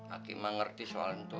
aki mengerti soal itu